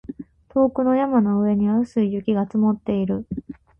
遠くの山の上には薄い雪が積もっている